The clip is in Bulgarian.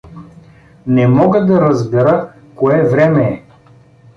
Не мога да разбера кое време е.